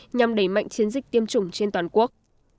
nhằm đẩy mạnh chiến dịch tiêm chủng trên toàn quốc